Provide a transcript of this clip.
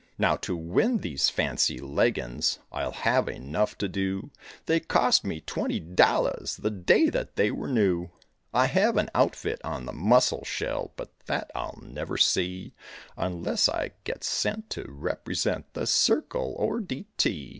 Now to win these fancy leggins I'll have enough to do; They cost me twenty dollars The day that they were new. I have an outfit on the Mussel Shell, But that I'll never see, Unless I get sent to represent The Circle or D.T.